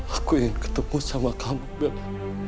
aku ingin ketemu sama kamu bella